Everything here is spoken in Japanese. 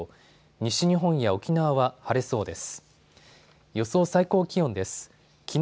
西日本や沖縄は晴れそうです。